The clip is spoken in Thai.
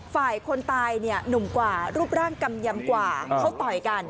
ฝ่ายคนตายเนี่ยหนุ่มกว่ารูปร่างกำยำกว่าเขาต่อยกัน